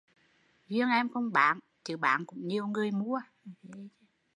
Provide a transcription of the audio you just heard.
Duyên em không bán, chứ bán cũng nhiều người mua